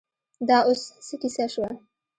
دا اوس څه کیسه شوه.